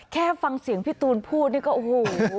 แค่ฟังเสียงพี่ตูนพูดนี่ก็โอ้โห